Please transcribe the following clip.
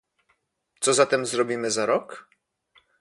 Co zatem zrobimy za rok?